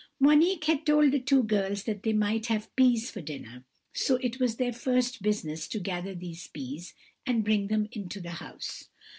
"Monique had told the two girls that they might have peas for dinner, so it was their first business to gather these peas, and bring them into the house.